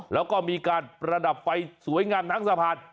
แล้วก็มีการประดับไฟสวยงามทั้งสะพาน